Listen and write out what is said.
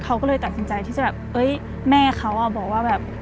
เขาก็เลยตัดสินใจที่จะแบบเอ้ยแม่เขาบอกว่าแบบ